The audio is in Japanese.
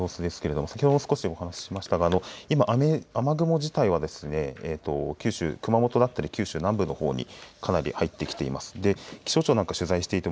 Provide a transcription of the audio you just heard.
今の雨雲の様子ですけれど先ほど少しお話ししましたが今、雨雲自体は九州、熊本だったり九州南部のほうにかなり入ってきています。